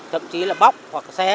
thậm chí là bóc hoặc xé